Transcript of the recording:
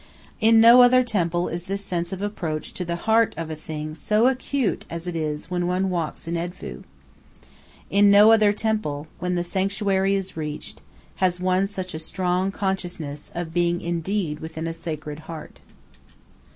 In no other temple is this sense of approach to the heart of a thing so acute as it is when one walks in Edfu. In no other temple, when the sanctuary is reached, has one such a strong consciousness of being indeed within a sacred heart.